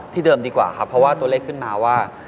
เดิมดีกว่าครับเพราะว่าตัวเลขขึ้นมาว่า